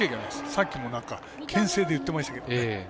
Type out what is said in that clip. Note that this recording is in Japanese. さっきもけん制で言ってましたけど。